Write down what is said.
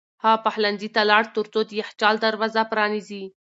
هغه پخلنځي ته لاړ ترڅو د یخچال دروازه پرانیزي.